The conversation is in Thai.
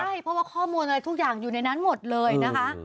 ใช่เพราะว่าข้อมูลอะไรทุกอย่างอยู่ในนั้นหมดเลยนะคะ